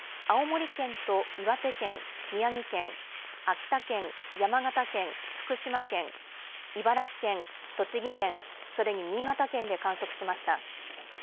青森県と岩手県、宮城県、秋田県、山形県、福島県、茨城県、栃木県、それに新潟県で観測しました。